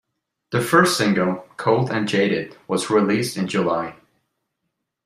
The first single, "Cold and Jaded," was released in July.